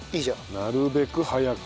なるべく早く。